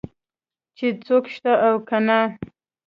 چې څوک شته او که نه.